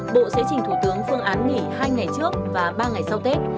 bộ sẽ chỉnh thủ tướng phương án nghỉ hai ngày trước và ba ngày sau tết